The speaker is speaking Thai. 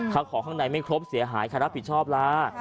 ถ้าของข้างในไม่ครบเสียหายใครรับผิดชอบล่ะ